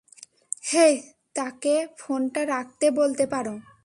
হেই, তাকে ফোনটা রাখতে বলতে পারো?